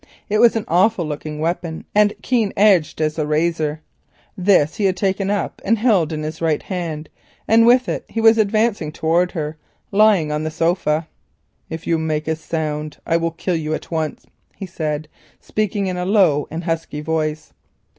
It was an awful looking weapon, and keen edged as a razor. This he had taken up and held in his right hand, and with it he was advancing towards her as she lounged on the sofa. "If you make a sound I will kill you at once," he said, speaking in a low and husky voice.